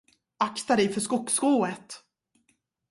Akta dig för skogsrået!